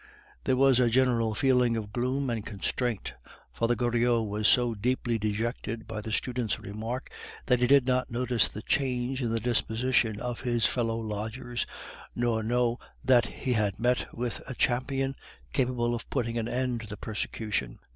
There was a general feeling of gloom and constraint. Father Goriot was so deeply dejected by the student's remark that he did not notice the change in the disposition of his fellow lodgers, nor know that he had met with a champion capable of putting an end to the persecution.